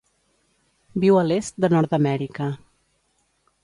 Viu a l'est de Nord-amèrica.